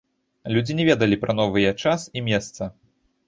Людзі не ведалі пра новыя час і месца.